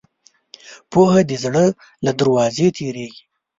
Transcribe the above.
پوهه د زړه له دروازې تېرېږي.